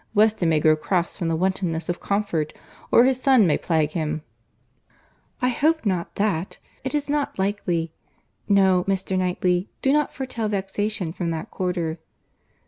Weston may grow cross from the wantonness of comfort, or his son may plague him." "I hope not that.—It is not likely. No, Mr. Knightley, do not foretell vexation from that quarter."